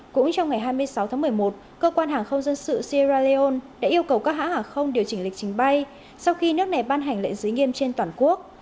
cũng trong ngày hai mươi sáu tháng một mươi một cơ quan hàng không dân sự sierra leone đã yêu cầu các hãng hàng không điều chỉnh lịch trình bay sau khi nước này ban hành lệnh giới nghiêm trên toàn quốc